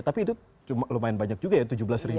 tapi itu lumayan banyak juga ya tujuh belas ribu